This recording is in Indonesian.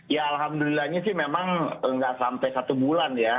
ya alhamdulillahnya sih memang nggak sampai satu bulan ya